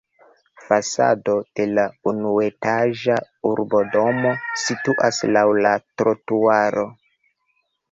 Fasado de la unuetaĝa urbodomo situas laŭ la trotuaro.